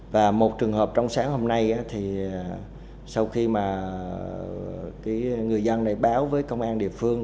và một trường hợp trong sáng hôm nay thì sau khi mà người dân này báo với công an địa phương